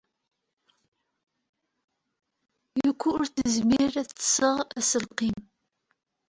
Yoko ur tezmir ad d-tseɣ aselkim.